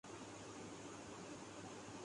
وہ کرتا ہوں جس میں مہارت رکھتا ہو